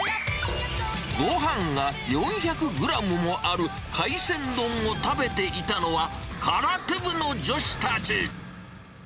ごはんが４００グラムもある海鮮丼を食べていたのは、空手部の女子たち。